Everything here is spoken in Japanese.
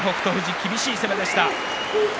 厳しい攻めでした。